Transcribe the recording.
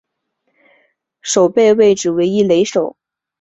守备位置为一垒手。